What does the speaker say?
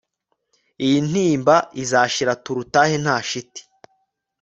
Iyi ntimba izashira Turutahe nta shiti